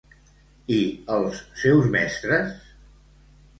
I els seus mestres?